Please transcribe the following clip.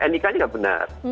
nik nya nggak benar